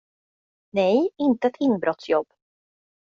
Nej, inte ett inbrottsjobb.